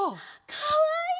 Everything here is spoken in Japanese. かわいい。